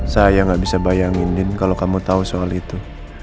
saya nggak bisa bayangin kalau kamu tahu soal itu